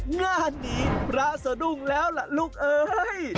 งานนี้พระสะดุ้งแล้วล่ะลูกเอ้ย